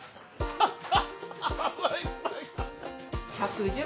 ハハハ！